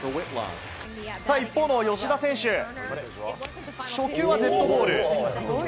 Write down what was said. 一方の吉田選手、初球はデッドボール。